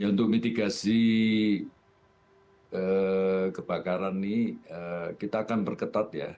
untuk mitigasi kebakaran ini kita akan perketat ya